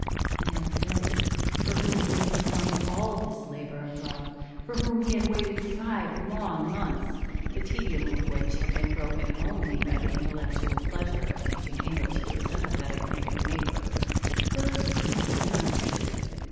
And now Phyllis, for whom he had performed all this labor of love, for whom he had waited five long months the tedium of which had been broken only by the intellectual pleasure of teaching English to a sympathetic native neighbor Phyllis seemed unappreciative.